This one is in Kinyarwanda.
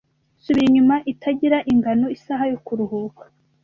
subira inyuma itagira ingano isaha yo kuruhuka